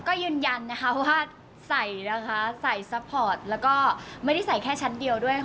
ก็ยืนยันนะคะว่าใส่นะคะใส่ซัพพอร์ตแล้วก็ไม่ได้ใส่แค่ชั้นเดียวด้วยค่ะ